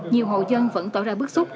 nhiều hộ dân vẫn tỏ ra bức xúc